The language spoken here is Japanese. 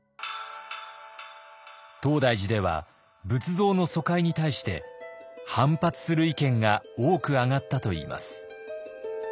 東大寺では仏像の疎開に対して反発する意見が多く上がったといいます。